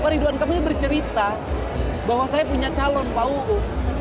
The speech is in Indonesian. ridwan kami bercerita bahwa saya punya calon pak uu